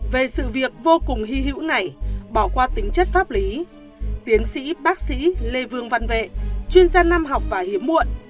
về sự việc vô cùng hy hữu này bỏ qua tính chất pháp lý tiến sĩ bác sĩ lê vương văn vệ chuyên gia nam học và hiếm muộn